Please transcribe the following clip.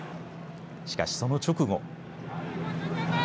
しかし、その直後。